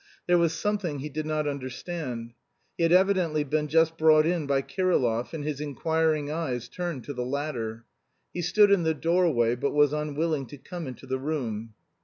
There was something he did not understand. He had evidently been just brought in by Kirillov, and his inquiring eyes turned to the latter. He stood in the doorway, but was unwilling to come into the room.